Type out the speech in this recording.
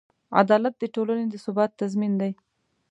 عدالت د ټولنې د ثبات تضمین دی.